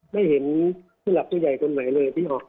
ไม่เห็นที่หลักผู้ใหญ่คนไหนเลย